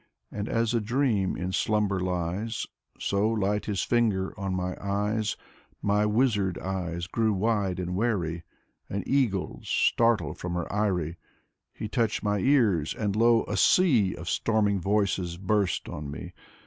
And as a dream in slumber lies So light his finger on my eyes, — My wizard tyes grew wide and wary: An eagle's, startled from her eyrie. He touched my ears, and lo! a sea Of storming voices burst on me.